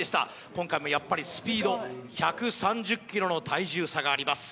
今回もやっぱりスピード１３０ｋｇの体重差があります